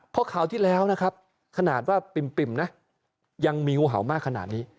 เพราะคราวที่แล้วนะครับขนาดว่าปิ่มนะยังมีงูเห่ามากขนาดนี้